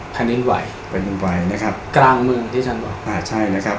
แผ่นดินไหวแผ่นดินไหวนะครับกลางเมืองที่ท่านบอกอ่าใช่นะครับ